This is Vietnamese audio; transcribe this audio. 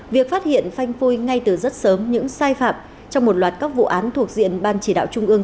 việc phát hiện phanh phui ngay từ rất sớm những sai phạm trong một loạt các vụ án thuộc diện ban chỉ đạo trung ương